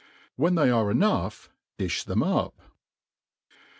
When they are enough difh them up.